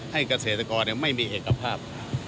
ให้เกษตรกรเนี่ยไม่มีเอกภาพ